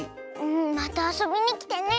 またあそびにきてね！